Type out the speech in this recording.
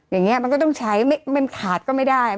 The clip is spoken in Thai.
อย่างนี้มันก็ต้องใช้มันขาดก็ไม่ได้